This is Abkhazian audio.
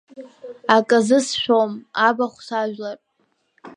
Аказы сшәом, абахә сажәлар…